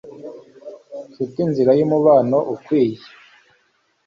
nshuti nzira y'umubano ukwiye